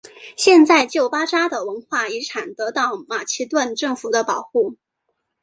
现在旧巴扎的文化遗产得到马其顿政府的保护。